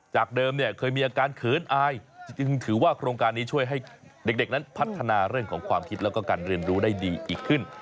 จากเดิมเนี่ยเคยมีอาการเขินอายจึงถือว่าโครงการนี้ช่วยให้เด็กนั้นพัฒนาเรื่องของความคิดแล้วก็การเรียนรู้ได้ดีอีกขึ้น